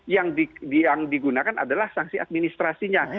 yang digunakan adalah sanksi administrasinya